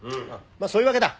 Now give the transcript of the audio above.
まっそういうわけだ。